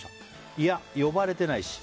いや、呼ばれてないし。